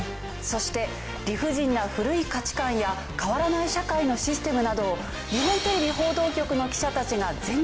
そして理不尽な古い価値観や変わらない社会のシステムなどを日本テレビ報道局の。